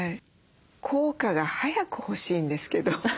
効果が早く欲しいんですけど。